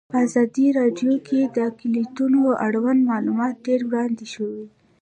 په ازادي راډیو کې د اقلیتونه اړوند معلومات ډېر وړاندې شوي.